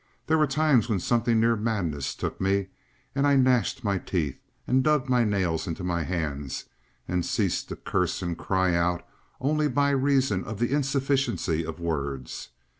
There were times when something near madness took me, and I gnashed my teeth and dug my nails into my hands and ceased to curse and cry out only by reason of the insufficiency of words.